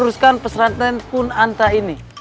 teruskan peserantin punanta ini